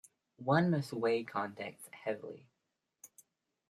One must weigh context heavily.